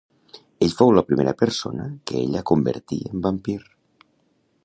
Ell fou la primera persona que ella convertí en vampir.